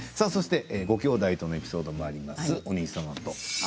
ごきょうだいとのエピソードもあります。